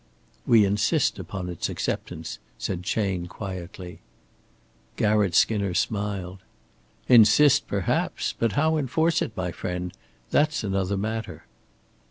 "We insist upon its acceptance," said Chayne, quietly. Garratt Skinner smiled. "Insist perhaps! But how enforce it, my friend? That's another matter."